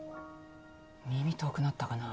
耳遠くなったかな？